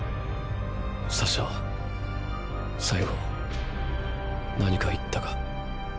サシャは最期何か言ったか？